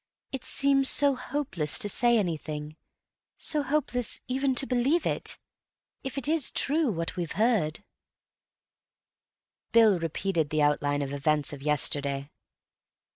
It seems so hopeless to say anything; so hopeless even to believe it. If it is true what we've heard." Bill repeated the outline of events of yesterday.